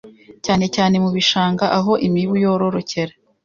cyane cyane mu bishanga aho imibu yororokera,